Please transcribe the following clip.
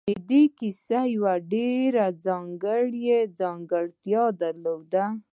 دې کيسې يوه ډېره ځانګړې ځانګړتيا درلوده.